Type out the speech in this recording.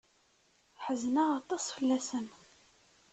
Ḥezneɣ aṭas fell-asen.